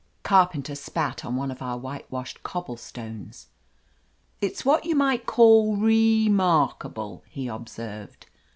Carpenter spat on one of our whitewashed cobblestones. "It's what you might call ree markable," he observed.